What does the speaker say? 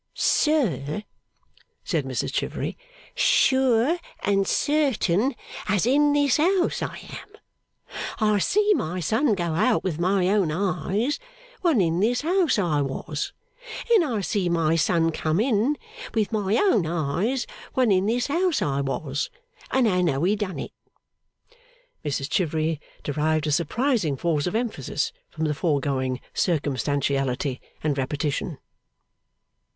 'Sir,' said Mrs Chivery, 'sure and certain as in this house I am. I see my son go out with my own eyes when in this house I was, and I see my son come in with my own eyes when in this house I was, and I know he done it!' Mrs Chivery derived a surprising force of emphasis from the foregoing circumstantiality and repetition.